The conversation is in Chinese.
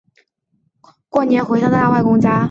过年回乡下外公家